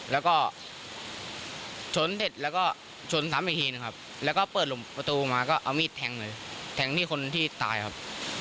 แล้วก็ชนเสร็จแล้วก็ชนซ้ำอีกทีหนึ่งครับแล้วก็เปิดหลุมประตูมาก็เอามีดแทงเลยแทงที่คนที่ตายครับ